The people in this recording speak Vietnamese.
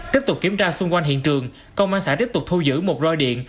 tiếp tục kiểm tra xung quanh hiện trường công an xã tiếp tục thu giữ một roi điện